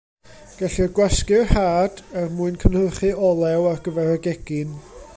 Gellir gwasgu'r had, er mwyn cynhyrchu olew ar gyfer y gegin.